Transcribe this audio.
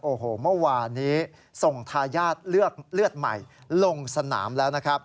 โอ้โหเมื่อวานี้ส่งทายาทเลือดใหม่ลงสนามแล้ว